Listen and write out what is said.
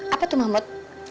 apa tuh mahmud